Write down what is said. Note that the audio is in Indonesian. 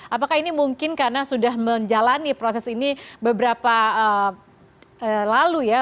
apakah ini mungkin karena sudah menjalani proses ini beberapa lalu ya